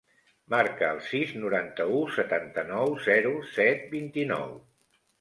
Marca el sis, noranta-u, setanta-nou, zero, set, vint-i-nou.